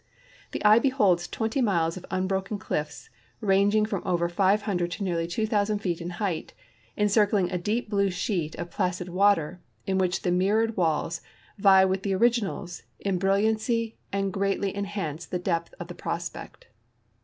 The eye beholds 20 miles of unbroken cliffs ranging from over 500 to nearly 2,000 feet in height, encircling a dee[) blue sheet of placid water, in which the mirrored walls vie with the originals in bril liancy and greatly enhance the depth of the prospect.